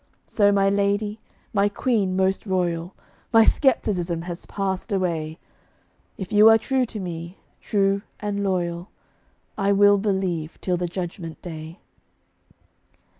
So my lady, my queen most royal, My skepticism has passed away; If you are true to me, true and loyal, I will believe till the Judgment day.